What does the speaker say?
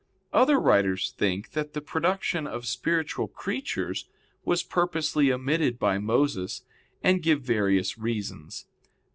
Other writers think that the production of spiritual creatures was purposely omitted by Moses, and give various reasons.